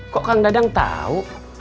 kok kang dadang tau